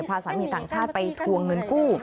พาสามีต่างชาติไปทวงเงินกู้